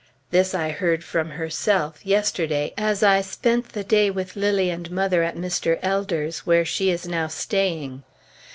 This I heard from herself, yesterday, as I spent the day with Lilly and mother at Mr. Elder's, where she is now staying.